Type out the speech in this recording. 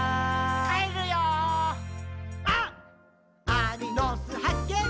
アリの巣はっけん